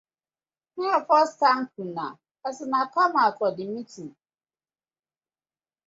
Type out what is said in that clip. Mak I first thank una as una come out for di meeting.